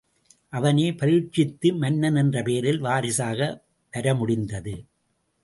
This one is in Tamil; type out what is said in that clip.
அவனே பரீட்சித்து மன்னன் என்ற பெயரில் வாரிசாக வரமுடிந்தது.